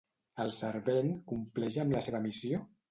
El servent compleix amb la seva missió?